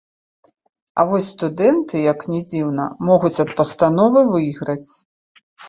А вось студэнты, як ні дзіўна, могуць ад пастановы выйграць!